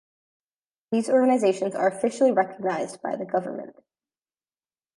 These organizations are officially recognized by the government.